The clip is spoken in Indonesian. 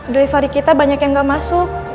delivery kita banyak yang gak masuk